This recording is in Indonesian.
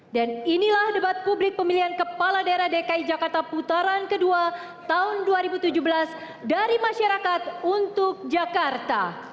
dan inilah debat publik pemilihan kepala daerah dki jakarta putaran kedua tahun dua ribu tujuh belas dari masyarakat untuk jakarta